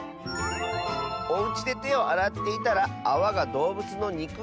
「おうちでてをあらっていたらあわがどうぶつのにく